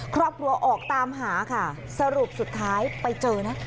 ครอบครัวออกตามหาค่ะสรุปสุดท้ายไปเจอนะ